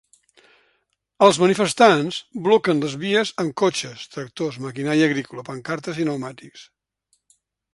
Els manifestant bloquen les vies amb cotxes, tractors, maquinària agrícola, pancartes i neumàtics.